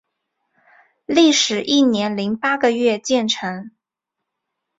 历时一年零八个月建成。